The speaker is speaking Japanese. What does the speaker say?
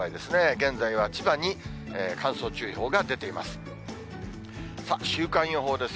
現在は千葉に乾燥注意報が出ています。